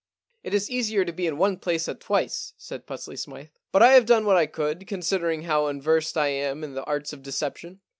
It is easier to be in one place at twice,' said Pusely Smythe. * But I have done what I could, considering how unversed I am in the arts of deception.